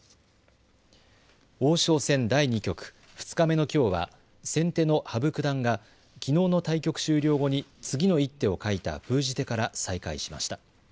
王将戦第２局、２日目のきょうは先手の羽生九段がきのうの対局終了後に次の一手を書いた封じ手から再開しました。